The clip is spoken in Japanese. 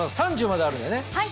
３０まであるんだよね。